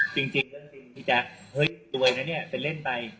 จริงเรื่องจริงพี่แจ๊คเฮ้ยสวยนะเนี่ยเป็นเล่นไป